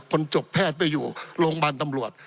จนจบแพทย์ไปอยู่โรงพยาบาลตำรวจ